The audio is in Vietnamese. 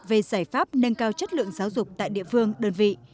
về giải pháp nâng cao chất lượng giáo dục tại địa phương đơn vị